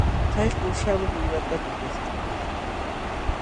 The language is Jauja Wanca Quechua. Kay kuuśhawan qiwata lutuśhun.